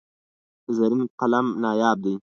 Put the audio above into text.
زرین قلم نایاب دی.